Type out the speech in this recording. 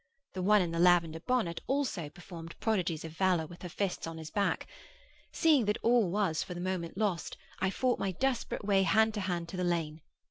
The one in the lavender bonnet also performed prodigies of valour with her fists on his back. Seeing that all was for the moment lost, I fought my desperate way hand to hand to the lane.